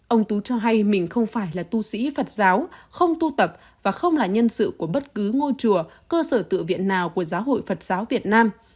ông tú cho hay mình không phải là tu sĩ phật giáo không tu tập và không là nhân sự của bất cứ ngôi chùa cơ sở tự viện nào của giáo hội phật giáo việt nam